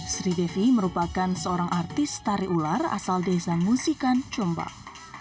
sri devi merupakan seorang artis tari ular asal desa musikan jombang